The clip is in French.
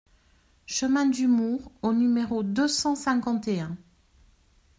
Chemin du Moure au numéro deux cent cinquante et un